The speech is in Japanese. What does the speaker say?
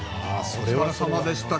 お疲れさまでした。